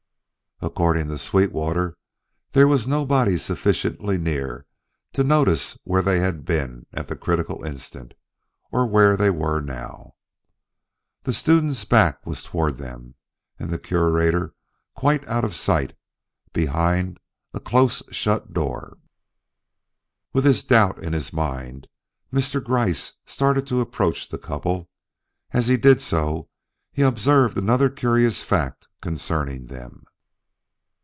According to Sweetwater there was nobody sufficiently near to notice where they had been at the critical instant, or where they were now. The student's back was toward them, and the Curator quite out of sight behind a close shut door. With this doubt in his mind, Mr. Gryce started to approach the couple. As he did so, he observed another curious fact concerning them.